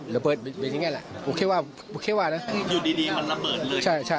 ระเบิดเป็นยังงี้แหละโอเคว่าโอเคว่าน่ะ